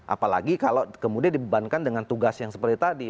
apalagi kalau kemudian dibebankan dengan tugas yang seperti tadi